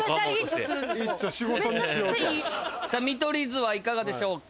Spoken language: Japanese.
見取り図はいかがでしょうか？